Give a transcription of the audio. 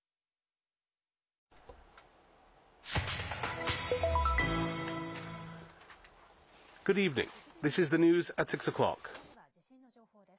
まずは地震の情報です。